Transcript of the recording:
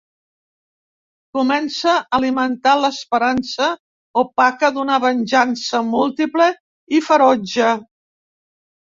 Comença a alimentar l'esperança opaca d'una venjança múltiple i ferotge.